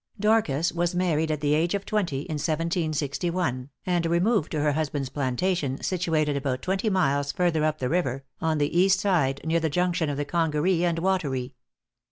Dorcas was married at the age of twenty, in 1761, and removed to her husband's plantation, situated about twenty miles further up the river, on the east side, near the junction of the Congaree and Wateree.